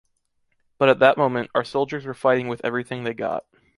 But at that moment, our soldiers were fighting with everything they got.